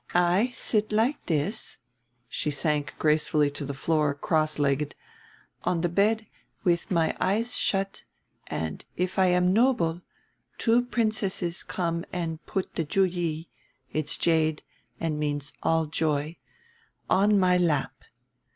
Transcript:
I sit like this," she sank gracefully to the floor, cross legged, "on the bed with my eyes shut, and, if I am noble, two princesses come and put the ju yi, it's jade and means all joy, on my lap.